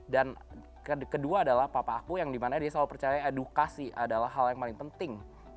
dan kedua adalah papa aku yang dimana dia selalu percaya edukasi adalah hal yang paling penting